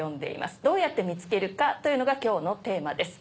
どうやって見つけるか？というのが今日のテーマです。